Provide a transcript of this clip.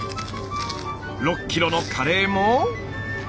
６キロのカレーも。